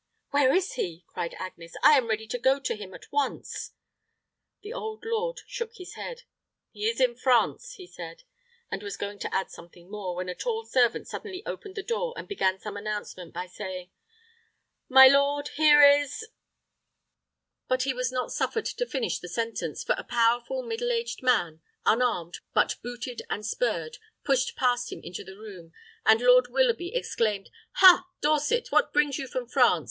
"Where is he?" cried Agnes. "I am ready to go to him at once." The old lord shook his head: "He is in France," he said; and was going to add something more, when a tall servant suddenly opened the door, and began some announcement by saying, "My lord, here is " But he was not suffered to finish the sentence; for a powerful, middle aged man, unarmed, but booted and spurred, pushed past him into the room, and Lord Willoughby exclaimed, "Ha, Dorset! what brings you from France?